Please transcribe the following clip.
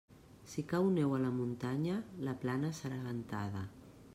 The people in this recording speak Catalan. Si cau neu a la muntanya, la plana serà ventada.